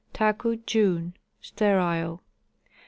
Taku, June. Sterile.